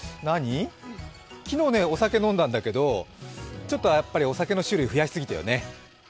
昨日ね、お酒飲んだんだけど、ちょっとお酒の種類増やしすぎたよね。